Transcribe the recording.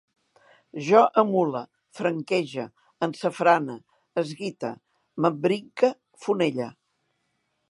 Jo emule, franquege, ensafrane, esguite, m'embrinque, fonelle